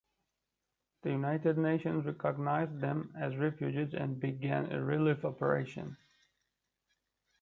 The United Nations recognised them as refugees and began a relief operation.